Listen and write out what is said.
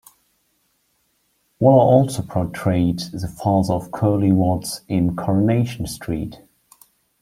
Waller also portrayed the father of Curly Watts in "Coronation Street".